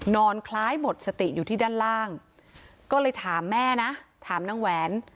คล้ายหมดสติอยู่ที่ด้านล่างก็เลยถามแม่นะถามนางแหวน